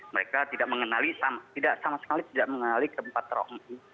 mereka tidak mengenali tidak sama sekali tidak mengenali keempat teroris ini